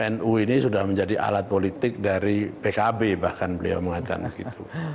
nu ini sudah menjadi alat politik dari pkb bahkan beliau mengatakan begitu